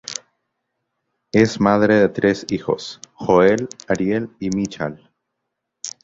Es madre de tres hijos, Joel, Ariel y Michal.